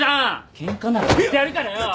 ケンカなら買ってやるからよ！